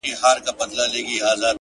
ما خو دا ټوله شپه،